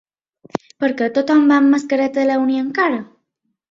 Per què tothom va amb mascareta a la uni encara?